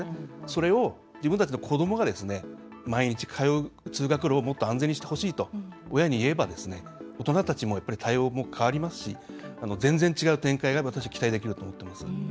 それを自分たちの子どもが毎日通う通学路をもっと安全にしてほしいと親に言えばですね、大人たちもやっぱり対応も変わりますし全然違う展開が私は期待できると思ってます。